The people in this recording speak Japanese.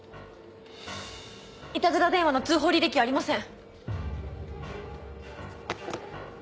いたずら電話の通報履歴ありません。